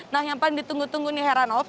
nah yang paling ditunggu tunggu nih heranov